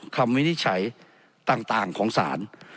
คำวินิจฉัยต่างของสาร